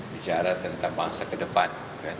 bicara tentang bangsa ke depan